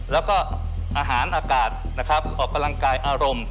แล้วก็อาหารอากาศนะครับออกกำลังกายอารมณ์